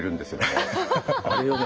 あれをね